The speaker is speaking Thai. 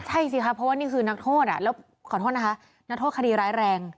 ใช่สิครับเพราะว่านี่คือนักโทษแล้วขอโทษนะคะนักโทษคดีร้ายแรง